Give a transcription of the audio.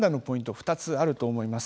２つあると思います。